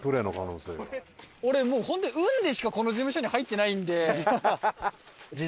俺もう本当に運でしかこの事務所に入ってないんで。